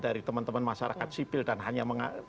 dari teman teman masyarakat sipil dan hanya